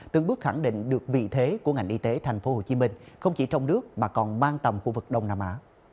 từng bước khẳng định được vị thế của ngành y tế tp hcm không chỉ trong nước mà còn mang tầm khu vực đông nam á